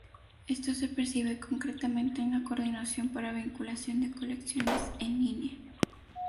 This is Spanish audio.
Esto se percibe concretamente en la coordinación para vinculación de colecciones "en línea".